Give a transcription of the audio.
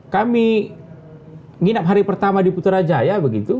kami nginep hari pertama di putrajaya